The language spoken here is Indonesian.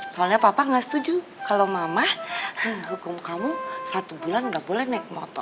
soalnya papa ga setuju kalo mama hukum kamu satu bulan ga boleh naik motor